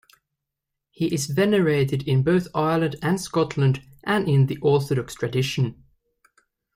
He is venerated in both Ireland and Scotland and in the Orthodox tradition.